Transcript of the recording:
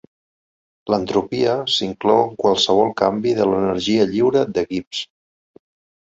L'entropia s'inclou en qualsevol canvi de l'energia lliure de Gibbs.